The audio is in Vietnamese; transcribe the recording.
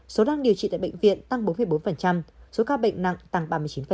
số đang điều trị tại bệnh viện tăng bốn bốn số ca bệnh nặng tăng ba mươi chín